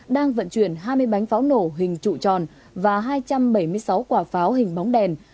đang vận chuyển hai mươi bánh pháo nổ hình trụ tròn và hai trăm bảy mươi sáu quả pháo hình bóng đèn